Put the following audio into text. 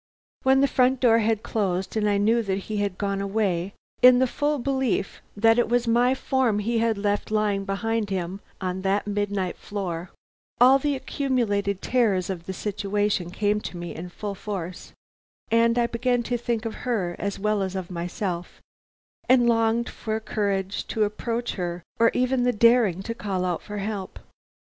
"When the front door had closed, and I knew that he had gone away in the full belief that it was my form he had left lying behind him on that midnight floor, all the accumulated terrors of the situation came to me in full force, and I began to think of her as well as of myself, and longed for courage to approach her or even the daring to call out for help.